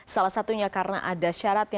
salah satunya karena ada syaratnya